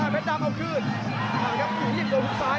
เพชรดำเอาคืนอยู่ยิ่งโดยภูมิซ้าย